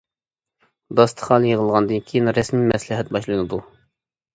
داستىخان يىغىلغاندىن كېيىن رەسمىي مەسلىھەت باشلىنىدۇ.